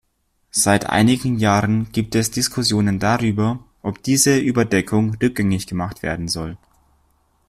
Seit einigen Jahren gibt es Diskussionen darüber, ob diese Überdeckung rückgängig gemacht werden soll.